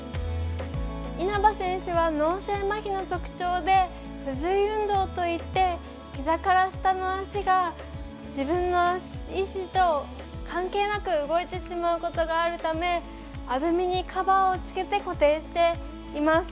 稲葉選手は脳性まひの特徴で不随意運動といってひざから下の足が自分の意思と関係なく動いてしまうことがあるためあぶみにカバーをつけて固定しています。